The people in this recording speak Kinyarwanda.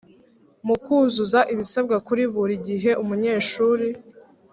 mu kuzuza ibisabwa, kuri buri gihe umunyeshuri